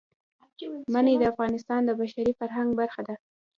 منی د افغانستان د بشري فرهنګ برخه ده.